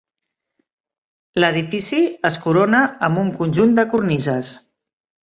L'edifici es corona amb un conjunt de cornises.